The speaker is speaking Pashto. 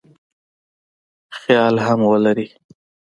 خیال هم ولري.